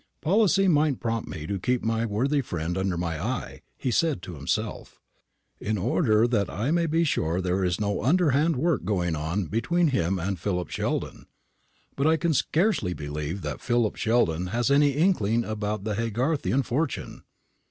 "Policy might prompt me to keep my worthy friend under my eye," he said to himself, "in order that I may be sure there is no underhand work going on between him and Philip Sheldon. But I can scarcely believe that Philip Sheldon has any inkling about the Haygarthian fortune.